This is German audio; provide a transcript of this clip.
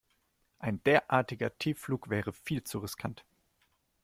Ein derartiger Tiefflug wäre viel zu riskant.